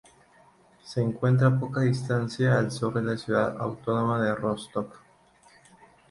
Se encuentra a poca distancia al sur de la ciudad autónoma de Rostock.